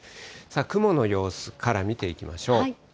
雲の様子から見ていきましょう。